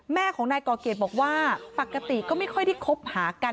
แม่ของนายก่อเกดบอกว่าปกติก็ไม่ค่อยได้คบหากัน